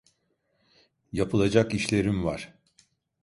Yapılacak işlerim var.